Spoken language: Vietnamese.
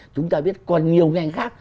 chúng ta biết còn nhiều ngày khác